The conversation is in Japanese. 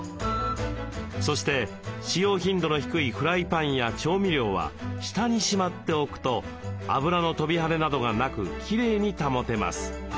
そして使用頻度の低いフライパンや調味料は下にしまっておくと油の飛び跳ねなどがなくきれいに保てます。